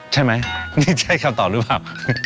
ใช่ไหมนี่ใช่คำตอบหรือเปล่า